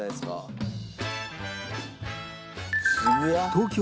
東京